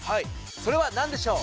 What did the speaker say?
それはなんでしょう？